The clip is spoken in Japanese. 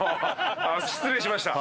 失礼しました。